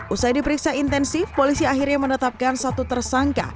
usai diperiksa intensif polisi akhirnya menetapkan satu tersangka